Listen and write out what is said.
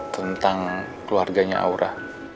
tentang keluarganya aura